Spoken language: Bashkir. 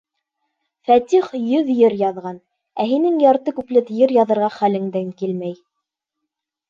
Фәтих йөҙ йыр яҙған, ә һинең ярты күплет йыр яҙырға хәлеңдән килмәй.